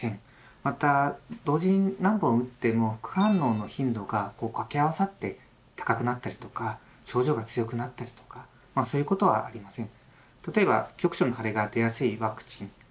また同時に何本打っても副反応の頻度が掛け合わさって高くなったりとか症状が強くなったりとかそういうことはありません。